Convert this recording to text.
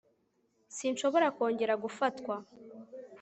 sinshobora kongera gufatwa